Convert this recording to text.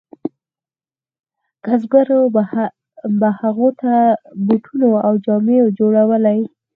کسبګرو به هغو ته بوټونه او جامې جوړولې.